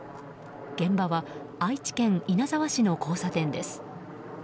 現場は愛知県稲沢市の交差点です。